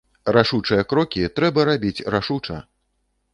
Рашучыя крокі трэба рабіць рашуча!